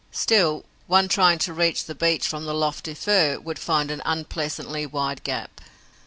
Still, one trying to reach the beech from the lofty fir would find an unpleasantly wide gap.